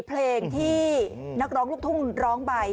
เพลงที่นักร้องลูกทุ่งร้องไป